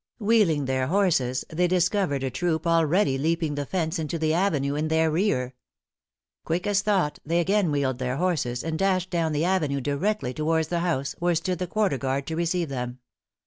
Wheeling their horses, they discovered a troop already leaping the fence into the avenue in their rear. * Yon, for yonder. Quick as thought they again wheeled their horses, and dashed down the avenue directly towards the house, where stood the quarter guard to receive them.